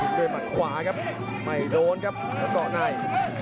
มีเกรมหักขวาครับไม่โดนครับแล้วก็เกาะหน่าย